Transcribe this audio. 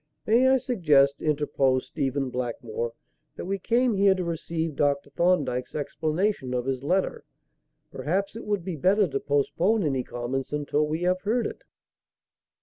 "May I suggest," interposed Stephen Blackmore, "that we came here to receive Dr. Thorndyke's explanation of his letter. Perhaps it would be better to postpone any comments until we have heard it."